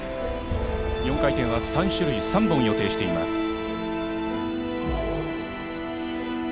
４回転は３種類、３本を予定しています。